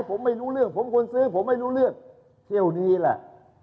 ผมไม่รู้เรื่องผมคนซื้อผมไม่รู้เรื่องเที่ยวนี้แหละ